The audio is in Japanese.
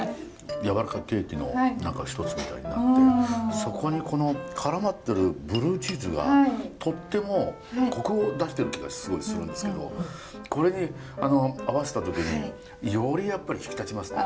やわらかケーキの一つみたいになってそこにこのからまってるブルーチーズがとってもコクを出してる気がすごいするんですけどこれに合わせた時によりやっぱり引き立ちますね。